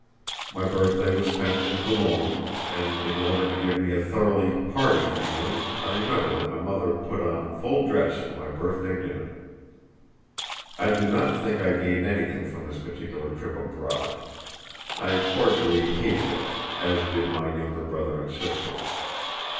My birthday was spent in Cologne, and in order to give me a thoroughly "party" feeling I remember that my mother put on full dress for my birthday dinner. I do not think I gained anything from this particular trip abroad. I cordially hated it, as did my younger brother and sister.